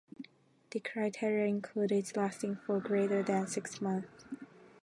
The criteria include it lasting for greater than six month.